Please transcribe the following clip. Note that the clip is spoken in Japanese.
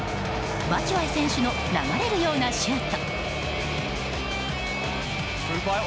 バチュアイ選手の流れるようなシュート。